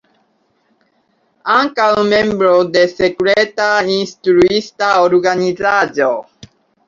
Ankaŭ membro de Sekreta Instruista Organizaĵo.